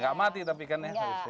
nggak mati tapi kan listriknya ya